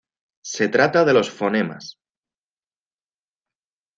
Se trata de los fonemas.